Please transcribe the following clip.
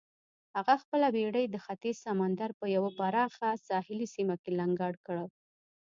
هغه خپله بېړۍ د ختیځ سمندر په یوه پراخه ساحلي سیمه کې لنګر کړه.